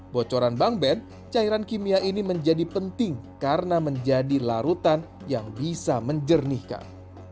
bocoran bangben cairan kimia ini menjadi penting karena menjadi larutan yang bisa menjernihkan